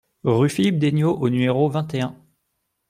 Rue Philippe d'Aigneaux au numéro vingt et un